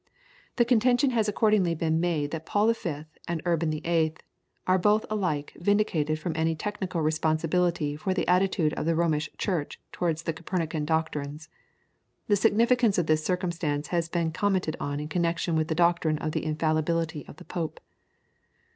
The contention has accordingly been made that Paul V. and Urban VIII. are both alike vindicated from any technical responsibility for the attitude of the Romish Church towards the Copernican doctrines. The significance of this circumstance has been commented on in connection with the doctrine of the infallibility of the Pope.